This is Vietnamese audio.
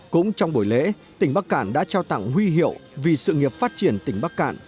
cũng trong buổi lễ tỉnh bắc cạn đã trao tặng huy hiệu vì sự nghiệp phát triển tỉnh bắc cạn